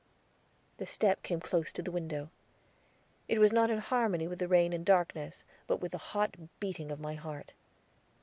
The step came close to the window; it was not in harmony with the rain and darkness, but with the hot beating of my heart.